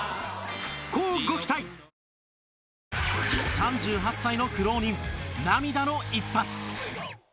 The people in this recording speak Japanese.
３８歳の苦労人、涙の一発！